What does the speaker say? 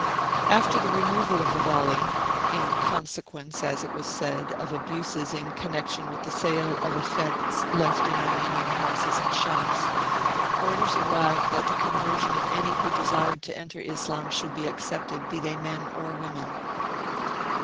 After the re moval of the Vali in consequence, as it was said, of abuses in connection with the sale of effects left in Armenian houses and shops orders arrived that the conversion of any who desired to enter Islam should be accepted, be they men or women.